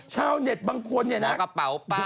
ชาวเน็ตบางคนเนี่ยนะ